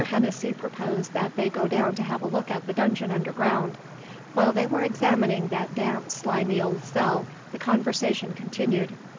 Hennessy proposed that they go down to have a look at the dungeon underground. While they were examining that damp, slimy old cell, the conversation continued.